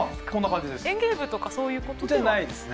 園芸部とかそういうことでは。じゃないですね。